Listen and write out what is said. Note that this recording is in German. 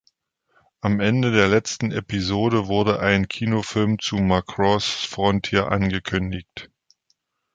Am Ende der letzten Episode wurde ein Kinofilm zu Macross Frontier angekündigt.